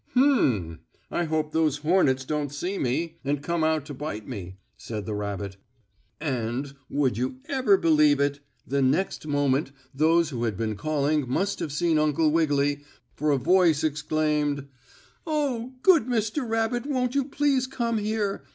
"Hum! I hope those hornets don't see me, and come out to bite me," said the rabbit. And, would you ever believe it? the next moment those who had been calling must have seen Uncle Wiggily, for a voice exclaimed: "Oh, good Mr. Rabbit won't you please come here?